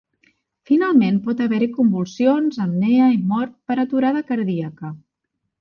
Finalment pot haver-hi convulsions, apnea i mort per aturada cardíaca.